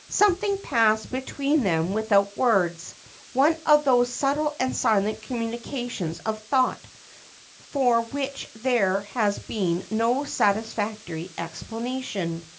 Something passed between them without words, one of those subtle and silent communications of thought for which there has been no satisfactory explanation.